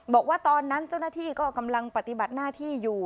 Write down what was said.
บอกว่าตอนนั้นเจ้าหน้าที่ก็กำลังปฏิบัติหน้าที่อยู่